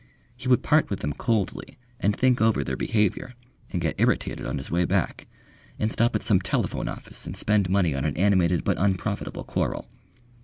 He would part with them coldly, and think over their behaviour, and get irritated on his way back, and stop at some telephone office and spend money on an animated but unprofitable quarrel.